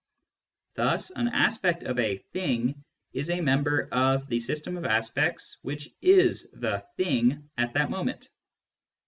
Thus an aspect of a " thing " is a member of the system of aspects which is the " thing " at that moment.